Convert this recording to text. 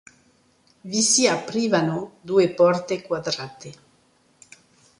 Vi si aprivano due porte quadrate.